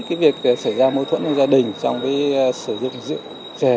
cái việc xảy ra mối thuẫn với gia đình trong cái sử dụng dự trẻ